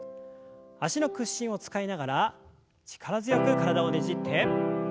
脚の屈伸を使いながら力強く体をねじって。